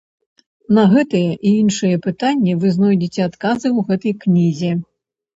На гэтыя і іншыя пытанні вы знойдзеце адказы ў гэтай кнізе.